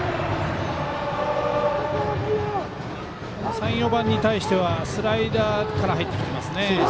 ３、４番に対してはスライダーから入ってきてますね。